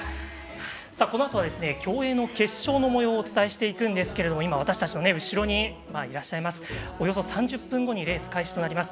このあとは、競泳の決勝のもようをお伝えしていくんですが後ろにいらっしゃいますおよそ３０分後にレース開始となります。